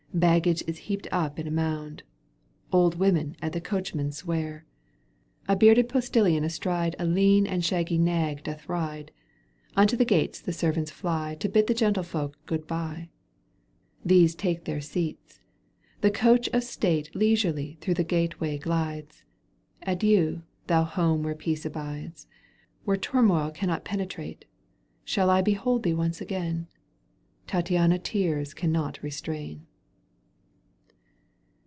Baggage is heaped up in a moimd. Old women at the coachmen swear. Digitized by CjOOQ 1С CANTO viL EUGENE ON^GUINE. 205 A bearded postillion astride A lean and shaggy nag doth ride, Unto the gates the servants fly To bid the gentlefolk good bye. These take their seats ; the coach of state Leisurely through the gateway glides. "Adieu ! thou home where peace abides, Where turmoH cannot penetrate, Shall I behold thee once again ?"— Tattieina tears cannot restrain.